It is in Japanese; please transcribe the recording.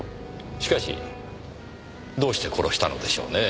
しかしどうして殺したのでしょうねぇ？